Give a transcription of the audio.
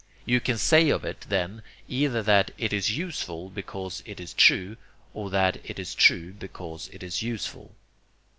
You can say of it then either that 'it is useful because it is true' or that 'it is true because it is useful.'